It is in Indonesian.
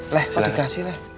leh kok dikasih leh